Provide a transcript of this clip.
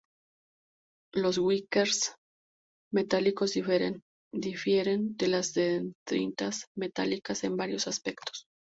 Los "whiskers" metálicos difieren de las dendritas metálicas en varios aspectos.